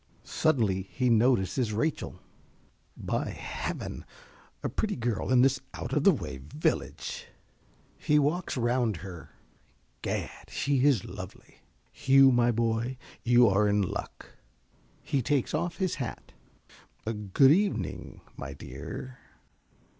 (Suddenly he notices Rachel.) By heaven, a pretty girl in this out of the way village! (He walks round her.) Gad, she is lovely! Hugh, my boy, you are in luck. (He takes off his hat.) Good evening, my dear!